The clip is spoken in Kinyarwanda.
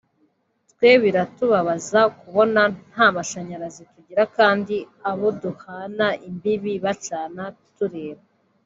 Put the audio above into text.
twe biratubabaza kubona ntamashanyarazi tugira kandi abo duhana imbibe bacana tureba